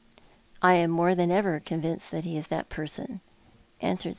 "I am more than ever couviucod that he is that person," answered S.